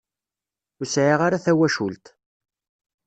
Ur sɛiɣ ara tawacult.